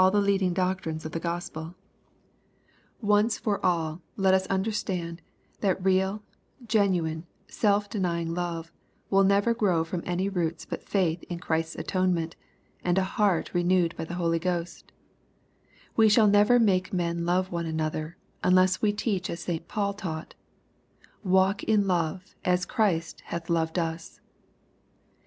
VI. 189 &11 the leading doctrines of the G ospeL Once for all, let us understand, that real, genuine, self denying love, will never grow from any roots but faith in Christ's atonement, and a heart re newed by the Holy Ghost We shall never make men love one another, unless we teach as St Paul taught, "Walk in love at Christ hath loved us."